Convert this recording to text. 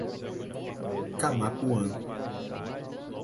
Camapuã